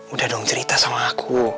udah dong cerita sama aku